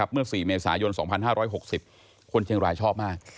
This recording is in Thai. เมื่อ๔เมษายน๒๕๖๐คนเชียงรายชอบมาก